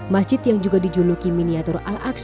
masjid yang juga dijuluki miniatur al aqsa